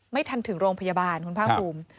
ไม่ทันถึงโรงพยาบาลคุณภาคภูมิ